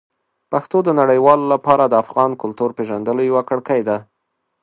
پښتو د نړیوالو لپاره د افغان کلتور پېژندلو یوه کړکۍ ده.